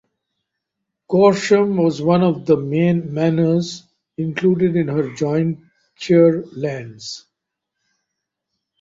Corsham was one of the manors included in her jointure lands.